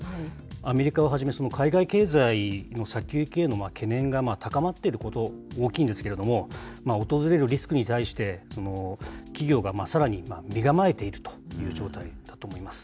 アメリカをはじめ、海外経済への先行きへの懸念が高まっていること、大きいんですけども、訪れるリスクに対して、企業がさらに身構えているという状態だと思います。